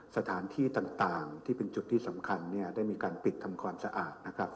สถานที่ต่างที่เป็นจุดที่สำคัญได้มีการปิดทำกรสะอาด